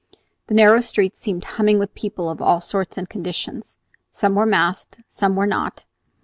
The narrow street seemed humming with people of all sorts and conditions. Some were masked; some were not.